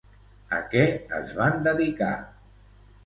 A què es van dedicar?